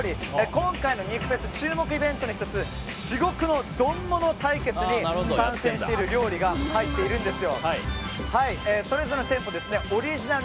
今回の肉フェス注目イベントの１つ至極の丼物対決に参戦している料理が入っているんです。